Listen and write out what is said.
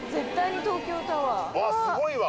すごいわ！